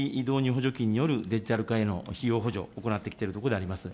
補助金によるデジタル化への費用補助、行ってきているところであります。